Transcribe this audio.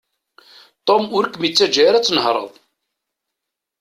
Tom ur kem-yettaǧǧa ara ad tnehreḍ.